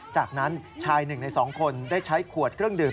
จากนั้นชาย๑ใน๒คนได้ใช้ขวดเครื่องดื่ม